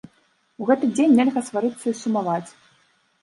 У гэты дзень нельга сварыцца і сумаваць.